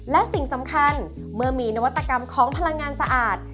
และสิ่งสำคัญเมื่อมีนวัตกรรมของพลังงานสะอาด